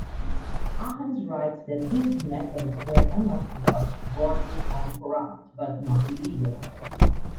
Ahrens writes that these methods were "unorthodox, bordering on corrupt," but not illegal.